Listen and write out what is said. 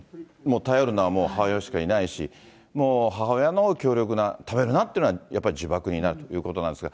頼るのは母親しかいないし、もう母親の強力な食べるなっていうのはやっぱり呪縛になるということなんですが。